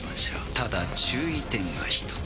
ただ注意点が一つ。